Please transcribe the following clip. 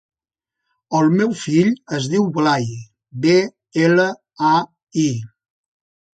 El meu fill es diu Blai: be, ela, a, i.